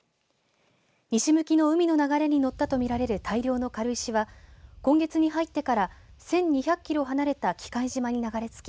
西向きの海の流れに乗ったとみられる大量の軽石は今月に入ってから１２００キロ離れた喜界島に流れ着き